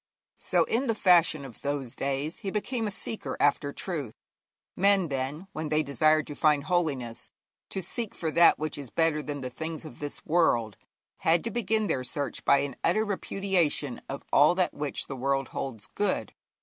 So in the fashion of those days he became a seeker after truth. Men, then, when they desired to find holiness, to seek for that which is better than the things of this world, had to begin their search by an utter repudiation of all that which the world holds good.